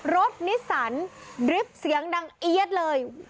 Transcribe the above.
นิสสันดริฟต์เสียงดังเอี๊ยดเลย